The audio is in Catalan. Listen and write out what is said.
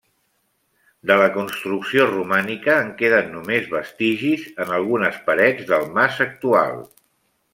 De la construcció romànica en queden només vestigis en algunes parets del mas actual.